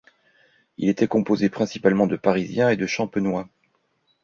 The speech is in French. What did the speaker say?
Il était composé principalement de Parisiens et de Champenois.